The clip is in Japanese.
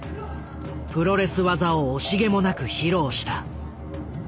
プロレス技を惜しげもなく披露した。